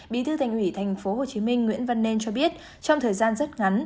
bí thư thành ủy thành phố hồ chí minh nguyễn văn nên cho biết trong thời gian rất ngắn